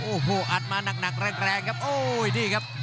โอ้โหอัดมาหนักแรงครับโอ้ยนี่ครับ